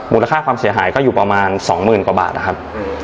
มูลค่าความเสียหายก็อยู่ประมาณ๒๐๐๐กว่าบาทนะครับ